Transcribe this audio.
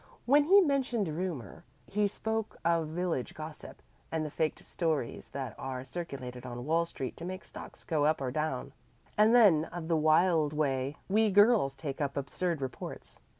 When he mentioned 'Rumor,' he spoke of village gossip, and the faked stories that are circulated on Wall Street to make stocks go up or down, and then of the wild way we girls take up absurd reports.